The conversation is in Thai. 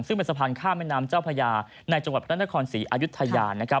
ซึ่งเป็นสะพานข้ามแม่น้ำเจ้าพญาในจังหวัดพระนครศรีอายุทยา